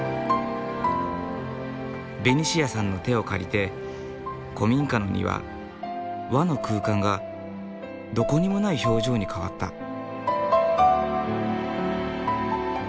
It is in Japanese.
ベニシアさんの手を借りて古民家の庭和の空間がどこにもない表情に変わった。